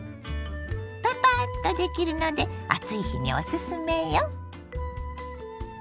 パパッとできるので暑い日におすすめよ。